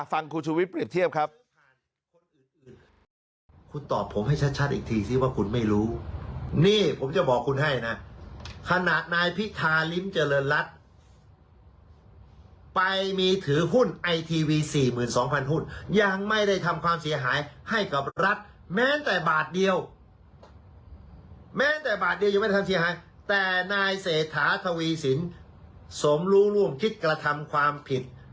ฟังคุณชุวิตเปรียบเทียบครับ